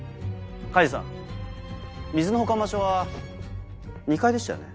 梶さん水の保管場所は２階でしたよね？